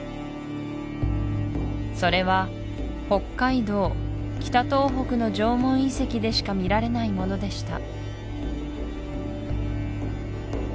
それは北海道・北東北の縄文遺跡でしか見られないものでした